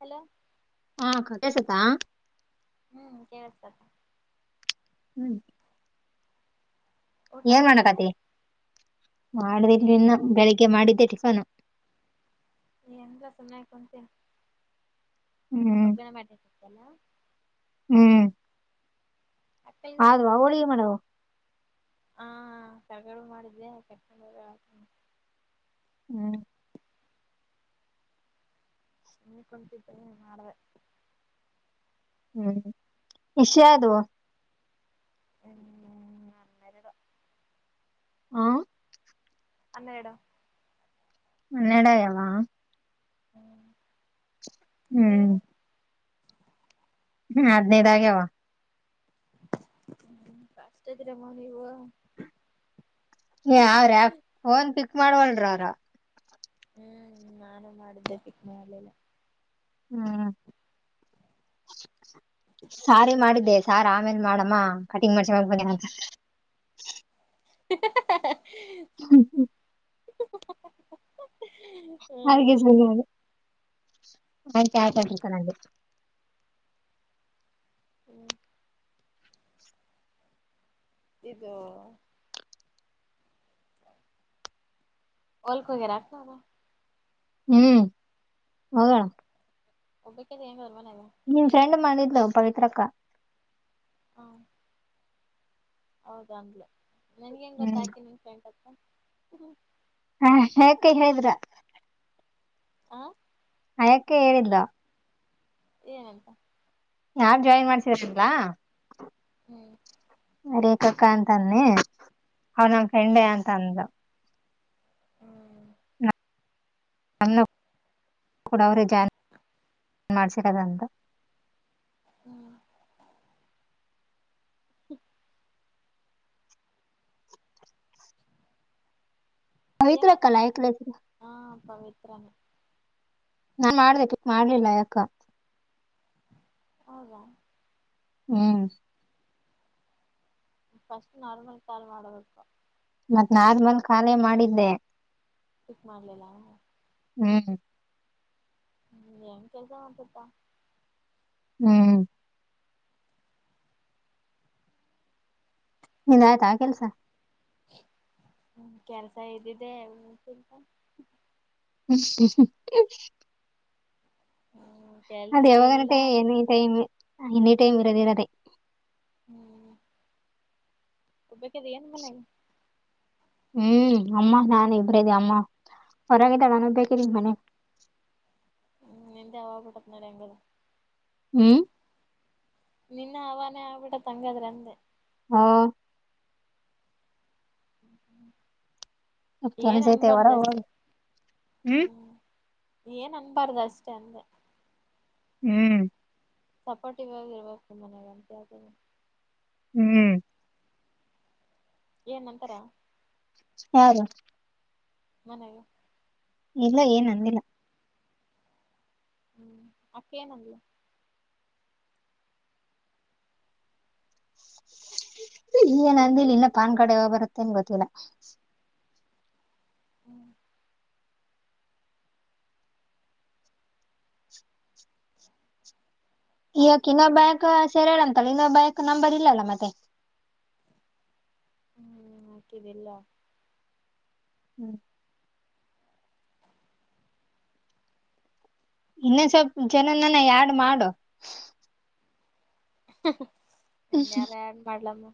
Hello ಹಾ ಅಕ್ಕ ಕೆಲ್ಸುತ್ತಾ ಹ್ಮ್ ಕೆಳ್ಸುತಕ್ಕ ಹ್ಮ್ ಊಟ ಮಾಡ್ದ ಮಾಡ್ಬೇಕು ಏನ್ ಇನ್ನ ಬೆಳಿಗ್ಗೆ ಮಾಡಿದ್ದೆ ಟಿಫನ್ ಎಂತ ಸುಮ್ನೆ ಕುಂತಿನಿ ಹ್ಮ್ ಒಗ್ಗರಣೆ ಮಾಡಿದಿದ್ದಲ್ಲ ಹ್ಮ್ ಅಕ್ಕಲ್ಗಳು ಆದ್ವ ಹೋಳಿಗೆ ಮಾಡವು ಹಾ ಕಾರ್ಗಡ್ಬು ಮಾಡಿದ್ದೆ ಕಟ್ಕೊಂಡು ಒಗ್ಯಾಳ ಹ್ಮ್ [unintelligible] ಕುಂತಿದ್ದೆ ಮಾಡ್ದೆ ಹ್ಮ್ ಇಷ ಅದು ಹ್ಮ್ ಹನ್ನೆರಡು ಹಾ ಹನ್ನೆರ್ಡಾ? ಹನ್ನೆರಡ್ ಆಗ್ಯದ? ಹ್ಮ್ ನೀವು ಹ್ಮ್ ಹ್ಮ್ ಹದ್ನೈದ ಆಗ್ಯವ. ಹ್ಮ ಫಾಸ್ಟ್ ಅದಿರಮ್ಮ ನೀವು. ಏ ಅವ್ರ ಯ ಪೋನ್ ಪಿಕ್ ಮಾಡವಲ್ರ ಅವ್ರ. ಹ್ಮ್ ನಾನು ಮಾಡಿದ್ದೆ ಪಿಕ್ ಮಾಡ್ಲಿಲ್ಲ. ಹ್ಮ್ ಸಾರಿ ಮಾಡಿದೆ ಸಾರ್ ಆಮೇಲೆ ಮಾಡಮ್ಮ ಕಟಿಂಗ್ ಮಾಡ್ಸ್ಕೋಲಾಕ್ ಬಂದೆನ್ ಅಂತ ಅಂದ್ರ. ಹ [unintelligible] ಹ್ಮ ಹ್ಮ ಅದಕ್ಕೆ ಹ್ಮ್ ಸುಮ್ನೆ ಆದೆ ಹ್ಮ್ [unintelligible] ಹಂ ಇದು ಹೋಲ್ಕ್ ಹೋಗ್ಯಾರ್ ಏನ್ ಭಾವಾ? ಹ್ಮ್ ಹೋಗ್ಯಾರ್. ಒಬ್ಬಕಿ ಅದಿ ಏನೋ ಅಲ್ ಮನ್ಯಾಗ? ನಿನ್ ಫ್ರೆಂಡ್ ಮಾಡಿದ್ಲು ಪವಿತ್ರಕ್ಕ. ಹಾ ಹೌದ ಅಂದ್ಲ ನೀನ್ಗ ಹೆಂಗ್ ಗೊತ್ತ ಹ್ಮ್ ಆಕೀ ನೀನ್ ಫ್ರೆಂಡ್ ಅಂತ್? ಹ [unintelligible] ಹೇಳಿದ್ರ. ಹ ಆಯಾಕ್ಕ ಹೇಳಿದ್ಲೂ. ಏನಂತ? ನಾವ್ ಜಾಯಿನ್ ಮಾಡ್ಸಿರ್ಲಿಲ್ಲಾ ಹ್ಮ್ ರೇಕಕ್ಕಾ ಅಂತನ್ನಿ ಅವ್ರ ನಮ್ ಫ್ರೆಂಡ್ ಹ್ಮ್ ಅಂತ ಅಂದ್ಲು. ಹ್ಮ್ ನಮ್ನು ಕೂಡ ಅವ್ರೆ ಜಾಯಿನ್ [unintelligible] ಮಾಡ್ಸರೋದಂತ ಹ್ಮ್ ಹ [unintelligible] ಪವಿತ್ರ ಏಮನ್ ಅಕ್ಕಾ [unintelligible] ಹಾ ಪವಿತ್ರಾನೆ. ನಾನ್ ಮಾಡ್ದೇ ಪಿಕ್ ಮಾಡ್ಲಿಲ್ಲಾ ಯಾಕೋ. ಹೌದಾ? ಹ್ಮ್ ಫಸ್ಟ್ ನಾರ್ಮಲ್ ಕಾಲ್ ಮಾಡಬೇಕ. ಮತ್ತ್ ನಾರ್ಮಲ್ ಕಾಲೇ ಮಾಡಿದ್ದೆ. ಪಿಕ್ ಮಾಡ್ಲಿಲ್ಲ. ಹ್ಮ್ ಹ್ಮ್ ಏನ್ ಕೆಲ್ಸ ಮಾಡ್ತಪ್ಪಾ? ಹ್ಮ್ ನಿಂದ ಆಯ್ತಾ ಕೆಲ್ಸ? ಹ್ಮ ಕೆಲ್ಸ ಇದ್ದಿದೆ [unintelligible] ಹ್ಮ್ [unintelligible] ಹ್ಮ ಅದ ಯಾವಾಗನಟೆ ಎನಿ ಟೈಮ್ ಎನಿ ಟೈಮ್ ಇರೋದಿರದೆ ಹ್ಮ್ ಒಬ್ಬಕಿ ಅದಿ ಏನ್ ಮನ್ಯಾಗ? ಹ್ಮ್ ಅಮ್ಮ ನಾನ ಇಬ್ರ ಇದೇವ ಅಮ್ಮ ಹೊರಗಿದಾಳ ನಾನ ಒಬ್ಬಕಿದಿನಿ ಮನ್ಯಾಗ. ಹ್ಮ್ ನಿಂದೆ [unintelligible] ನೋಡ್ ಹೆಂಗ್ ಅದಾ? ಹ್ಮ್ ನಿನ್ನ ಹವಾನೆ ಆಗ್ಬಿಟ್ಟ ಹಂಗಾದ್ರೆ ಅಂದೆ. ಹೌ [unintelligible] ಸ್ವಲ್ಪ ಏನ್ ಕೆಲ್ಸ ಐತೆ ಹೊರ ಅನ್ಬಾರ್ದಷ್ಟ ಹೋಗಿ ಹ್ಮ್. ಏನ್ ಅನ್ಬಾರ್ದ ಅಷ್ಟೇ ಅಂದೇ. ಹ್ಮ್ ಸಪೋರ್ಟಿವ್ ಆಗಿರ್ಬೇಕು ಮನ್ಯಾಗ ಅಂತ ಯಾವಾಗುನೂ ಹ್ಮ್ ಏನ್ಂತಾರ? ಯಾರು? ಮನೆಲೀ ಇಲ್ಲ ಏನ್ ಅಂದಿಲ್ಲ. ಹ್ಮ್ ಅಕ್ಕ ಏನಂದ್ಲ ಈಗ ಏನ್ ಅಂದಿಲ್ಲ ಇನ್ನ ಪ್ಯಾನ್ ಕಾರ್ಡ್ ಯಾವಾಗ ಬರುತ್ತೇನ್ ಗೊತ್ತಿಲ್ಲ. ಹ್ಮ್ ಅಕ್ ಇಯಕ್ ಇನ್ನ ಹ್ಮ್ ಬ್ಯಾಂಕ್ ಸೆರ್ಯಾಳ ಅಂತಲ್ಲ ಇನ್ನೊ ಬ್ಯಾಂಕ್ ನಂಬರ್ ಇಲ್ಲಾ ಅಲಾ ಮತ್ತೆ. ಹ್ಮ ಅಕಿದ್ದಿಲ್ಲ. ಹ್ಮ್ ಇನ್ನೊ ಸ್ವಲ್ ಜನಾನನ್ ಯಾಡ್ ಮಾಡು. ಇನ್ನ್ ಯಾರ್ನ್ ಯಾಡ್ ಮಾಡಲಮ್ಮ?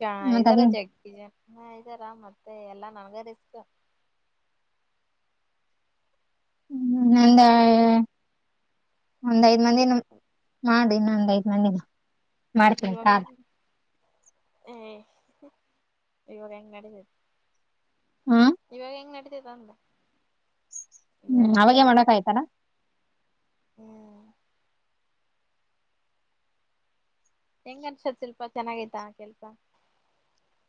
ಜ ಮತ್ತ ಅದ ಇದಾರ ಜಗ್ಗಿ ಜ ಇದಾರ ಮತ್ತೆ ಎಲ್ಲಾ ನನ್ಗ ರಿಸ್ಕ್ ಹ್ಮ್ ಹಿಂಗಾ ಒಂದ್ ಐದ್ ಮಂದಿನ ಮಾಡಿನ್ನ ಒಂದ್ ಐದ್ ಮಂದಿನ ಮಾಡ್ತೀನಿ ಇವಾಗ ಕಾಲ್ ಹೆಂಗ್ ಏ ಇವಾಗ ಹೆಂಗ್ ನಡಿತೇತ್ ಹ್ಮ ಇವಾಗ ಹೆಂಗ್ ನಡೀತದ ಅಂದ ಇವಾಗ ಹ್ಮ್ ಅವಾಗೇ ನಡೆಯಲ್ಲ ಮಾಡೋಕ್ ಆಯ್ತಲಾ ಹ್ಮ್ ಹೆಂಗ್ ಅನ್ಸತ್ ಶಿಲ್ಪಾ ಚೆನ್ನಾಗೈತಾ ಕೆಲ್ಸಾ?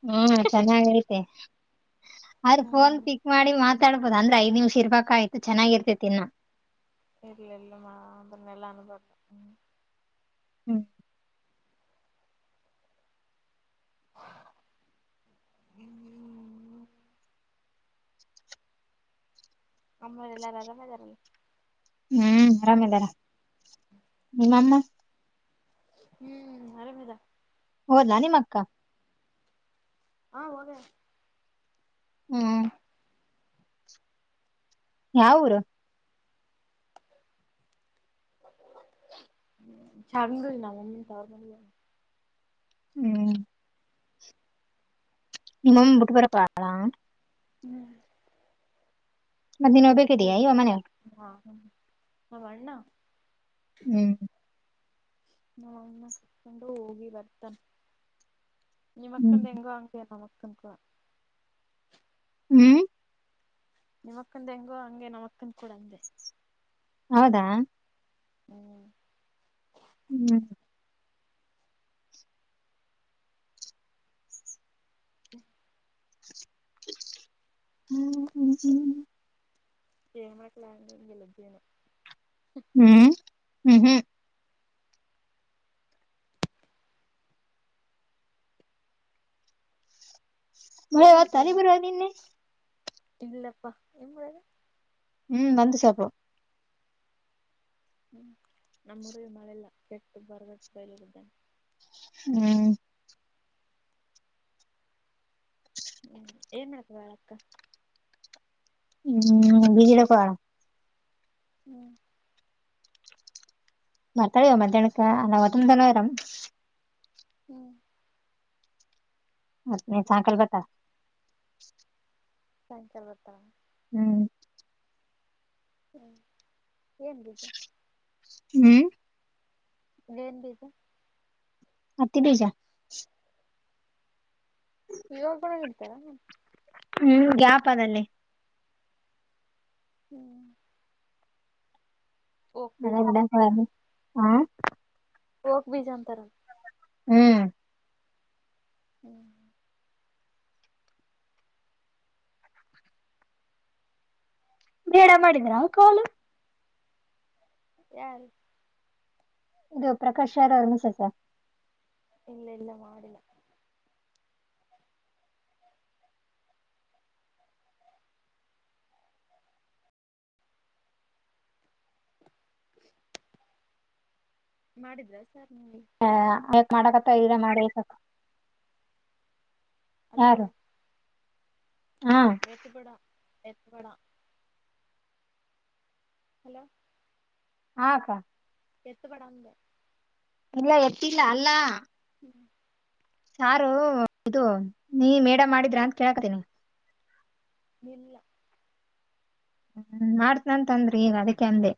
ಹ್ಮ್ ಚೆನ್ನಾಗಐತೆ ಆದ್ರ ಫೋನ್ ಹ್ಮ್ ಪಿಕ್ ಮಾಡಿ ಮಾತ್ ಮಾತಾಡ್ಬೋದ ಅಂದ್ರ ಐದ ನಿಮಿಷ್ ಇರ್ಬೇಕ ಆಯ್ತ ಚೆನ್ನಾಗಿರ್ತಿತ್ ಇನ್ನ್ ಇಲ್ಲ ಇಲ್ಲ ಮ ಅದನ್ನೆಲ್ಲಾ ಅನ್ಬಾರ್ದ ಹ್ಮ ಹ್ಮ್ ಹ್ಮ [unintelligible] ಅಮ್ಮ ಎಲ್ಲಾರು ಆರಾಮ್ ಇದಾರಲ್ ಹ್ಮ್ ಆರಾಮದಾರ ನಿಮ್ಮಮ್ಮ. ಹ್ಮ್ ಆರಾಮಿದರೆ. ಹೋದಲಾ ನಿಮ್ಮ ಅಕ್ಕ. ಹಾ ಹೋಗ್ಯಾಳ. ಹ್ಮ್ ಯಾವ ಊರು. [unintelligible] ಹ್ಮ್ ನಿಮ್ಮ ಅಮ್ಮ ಬಿಟ್ಟುಬರೋಕೆ ಹೋಗ್ಯಾಳ. ಹ್ಮ್ [unintelligible] ಏ ಇಲ್ಲ ಮನೆಗೆ ನಮ್ಮ ಅಣ್ಣ. ಹ್ಮ್ ನಾಮ್ಮ ಅಣ್ಣ ಕತ್ಕೊಂಡು ಹೋಗಿ ಬರ್ತನೆ ಹ್ಮ್ ನಿಮ್ಮಕ್ಕಂದು ಹೆಂಗೆ ಹಂಗೆ ನಮ್ಮ ಅಕ್ಕಂದು ಹ್ಮ್ ನಿಮಕ್ಕಂದ ಹೆಂಗೋ ಹಂಗೆ ನಮಕ್ಕಂದ ಕೂಡ ಅಂದೆ. ಹೌದಾ ಹ್ಮ್ ಹ್ಮ್ [inaudible] [inaudible] ಏನ್ ಮಾಡ್ಲಾನ್ಗೆಲ್ಲದ್ದೇನು. ಹ್ಮ್ ಹ್ಮ್ ಹ್ಮ್ ಮಳೆ ಏನ್ ಬಂತ [unintelligible] ನಿನ್ನೆ ಇಲ್ಲಪ್ಪ ನಿಮ್ಮ್ ಊರಲ್ಲಿ. ಹ್ಮ್ ನಂದು [unintelligible] ಹ್ಮ್ ನಮ್ಮ ಊರಿಗೆ ಮಳೆಲ್ಲ ಕೆಟ್ಟ ಬರ್ಗಟ್ಟ ಬಯಲಿರುದಾನೆ ಹ್ಮ್ ಹ್ಮ್ ಏನ್ ಮಾಡತ್ತಿದ್ದಾಳೆ ಅಕ್ಕ. ಹ್ಮ್ [unintelligible] ಹ್ಮ್ ಮಾತಾಡವ ಮಧ್ಯಾಹ್ನಕ್ಕ [unintelligible] ಹ್ಮ್ ಮತ್ತ ಸಾಯಂಕಾಲ ಬರ್ತಾಳಾ. ಸಾಯಂಕಾಲ ಬರ್ತಾಳ. ಹ್ಮ್ ಹ್ಮ್ [unintelligible] ಹ್ಮ್ ಏನ್ ಬಿಜಾ. ಹತ್ತಿ ಬಿಜಾ. ಈವಾಗಲೂ ಇದ್ದ ಹ್ಮ್ ಗ್ಯಾಪ್ ಅದಲ್ಲಿ. ಹ್ಮ್ ಓಕ್ ಬೀಜ ಅಂತಲ್ಲ ಅದೆಲ್ಲ [unintelligible] ಹಾ. [unintelligible] ಬೀಜ ಅಂತಾರೆ. ಹ್ಮ್ ಹ್ಮ್ ಮೇಡಂ ಮಾಡಿದ್ರಾ ಕಾಲು. ಯಾರ. ಇದು ಪ್ರಕಾಶ್ ಸರ್ [unintelligible] ಇಲ್ಲ ಇಲ್ಲ ಮಾಡಿಲ್ಲ. ಮಾಡಿದ್ರಾ ಸರ್ ನಿಮಗೆ ಹೇ ಯಾಕ್ ಮಾಡಕತ್ತ ಇದ ಮಾಡಿ. ಹಲೋ ಹ್ಮ್ ಎತ್ತಬೇಡ ಎತ್ತಬೇಡ. ಹಲೋ ಹಾಕ್ಕ. ಎತ್ತುಬೇಡ ಅಂದೇ. ಇಲ್ಲ ಎತ್ತಿಲ್ಲ ಅಲ್ಲಾ. ಹ್ಮ್ ಸಾರು ಇದು ನೀ ಮೇಡಂ ಮಾಡಿದ್ರ ಅಂತ ಕೇಳಕತೀನಿ. ಇಲ್ಲ ಹ್ಮ ಮಾಡ್ತನಂತನ್ರೀ ಈಗ ಅದಕ್ಕೆ ಅಂದೆ.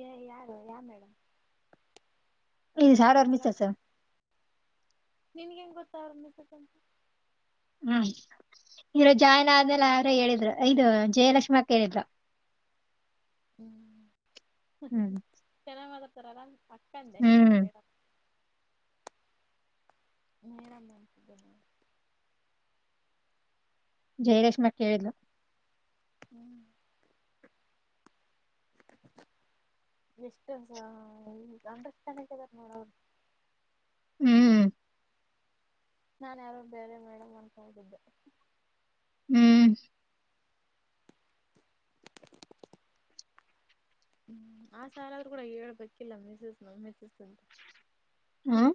ಯಾರು ಯಾರ ಮೇಡಮ್. ಇದು ಸಾರ್ ಅವರ ಮಿಸೆಸ್. ಕೆಲವತ್ತು ನಿನ್ಗೆ ಹೆಂಗ ಗೊತ್ತು ಅವರ ಮಿಸೆಸ್ ಅಂತ. ಹ್ಮ ಇರ ಜಾಯನ ಆದ್ಮೇಲೆ ಅವರೇ ಹೇಳಿದ್ರು ಇದು ಜಯಲಕ್ಷ್ಮಿೇಳಿದ್ರು. ಹ್ಮ್ ಹ್ಮ್ ಚೆನ್ನಾಗಿ ಮಾತಾಡ್ತಾರಲ್ಲ ಅಕ್ಕಂಡೆ ಹ್ಮ್ ಮೇಡಂ ಮೇಡಂ [unintelligible] ಜಯಲಕ್ಷ್ಮಿ ಅಕ್ಕಾ ಹೇಳಿದ್ಲು. ಹ್ಮ್ ಎಷ್ಟು ಈ ಅಂಡರ್ಸ್ಟ್ಯಾಂಡಿಂಗ್ ಆದರ ನಡು ಅವ್ರು ಹ್ಮ್ ನಾನ್ ಯಾರು ಬೇರೆ ಮೇಡಮ್ ಅನ್ಕೊಂಡಿದ್ದೆ ಹ್ಮ್ [inaudible] ಹ್ಮ್ ಆ ಸರ್ ಆದ್ರೂ ಕೂಡ ಹೇಳ್ಬೇಕಿಲ್ಲ ಮೆಸಸ್ ಮೆಸಸ್ ಅಂತ. ಹ್ಮ್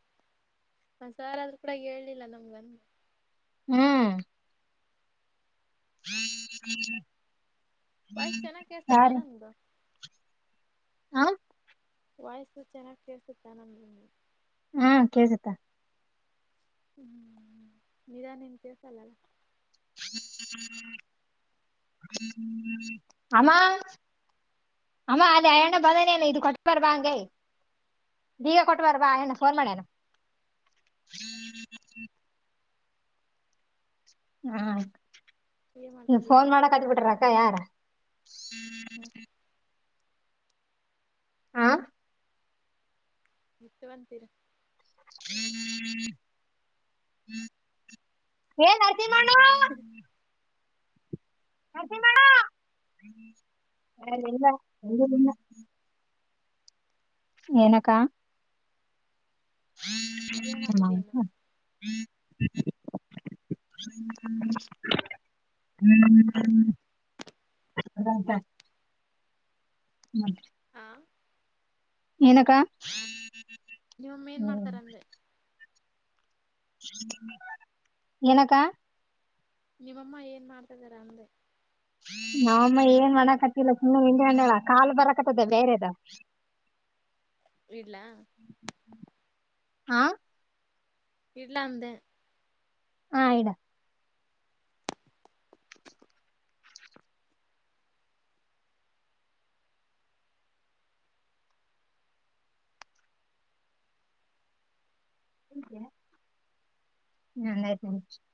ಸಾರ್ ಆದ್ರೂ ಕೂಡ ಹೇಲಿಲ್ಲ ನಮ್ಗನ್. ಹ್ಮ್ [inaudible] ವಯಸ್ಸ ಚೆನ್ನಾಗ್ ಕೇಳಿಸತ್ತ ಸಾರಿ ನಮ್ದು ಹ ವಾಯ್ಸು ಚೆನ್ನಾಗ್ ಕೇಳ್ಸುತ್ತ ನಂದು ಹಾ ಕೇಳ್ಸತ್ತ. ಹ್ಮ್ ನಿದಾನ ಏನ್ ಕೆಲಸಳಲ್ಲ. [inaudible] ಅಮ್ಮ ಅಮ್ಮಾ [unintelligible] ಬೀಗ ಕೊಟ್ಟ ಬಾ ಆ ಅಣ್ಣ ಫೋನ್ ಮಾಡ್ಯನಾ ಹ್ಮ್ ಏನ್ ನೀ ಮಾಡ್ತಿದೀನ ಫೋನ್ ಮಾಡದ್ ಕಲಿತು ಬಿಟ್ರ ಅಕ್ಕರ. ಹ್ಮ್ ಹಾ [unintelligible] ಹೇ ನರಸಿಂಹಣ್ಣ. ನರಸಿಂಹಣ್ಣ ಏನಕ್ಕಾ. ಏನ್ ಮಾಡ್ತದಮ್ಮ [inaudible] [unintelligible] [inaudible] [unintelligible] ಹ್ಮ್ ಹಾ ಏನಕ್ಕಾ. ನೀಮ್ಮ ಅಮ್ಮ ಏನ್ ಮಾಡ್ತಾರ ಅಂದ್ರೆ. ಏನಕ್ಕ ನಿಮ್ಮಮ್ಮ ಏನ್ ಮಾಡ್ತಾದಾರೆ ಅಂದೆ. ನಾವಮ್ಮ ಏನ್ ಮಾಡಕತ್ತಲ್ಲ ಸುಮ್ಮ ನಿಂತುಕೊಂದಲ್ಲ ಕಾಲ್ ಬರಕತ್ತದ ಬೇರೆದ. ಇಡ್ಲಾ ಹಾ ಇಡ್ಲ ಅಂದೇ. ಹಾ ಇಡು [inaudible] [unintelligible]